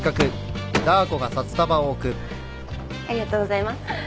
ありがとうございます。